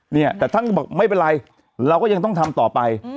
เนี่ยแต่ท่านก็บอกไม่เป็นไรเราก็ยังต้องทำต่อไป